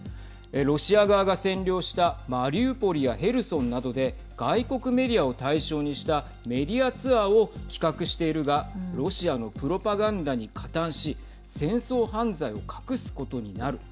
ロシア側が占領したマリウポリやヘルソンなどで外国メディアを対象にしたメディアツアーを企画しているがロシアのプロパガンダに加担し戦争犯罪を隠すことになる。